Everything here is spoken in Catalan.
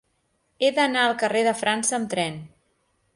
He d'anar al carrer de França amb tren.